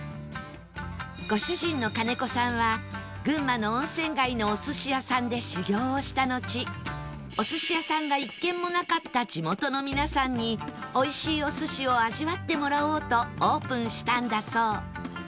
ご主人の金子さんは群馬の温泉街のお寿司屋さんで修業をしたのちお寿司屋さんが１軒もなかった地元の皆さんに美味しいお寿司を味わってもらおうとオープンしたんだそう